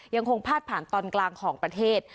ยังคงพาดผ่านตอนกลางของประเทศ